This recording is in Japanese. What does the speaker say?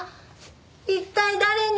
一体誰に？